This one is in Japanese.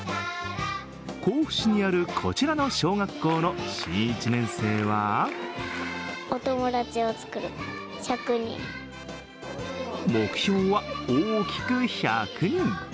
甲府市にある、こちらの小学校の新一年生は目標は大きく１００人。